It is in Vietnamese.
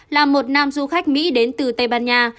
là một nam du khách mỹ đến từ tây ban nha